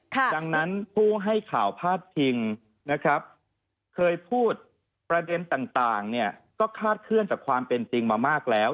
ดังนั้นผู้ให้ข่าวพาดพิงนะครับเคยพูดประเด็นต่างก็คาดเคลื่อนจากความเป็นจริงมามากแล้ว